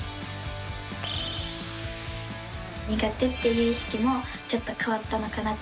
苦手っていう意識もちょっと変わったのかなと。